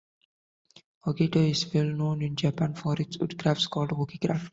Oketo is well known in Japan for its wood crafts, called Oke-Craft.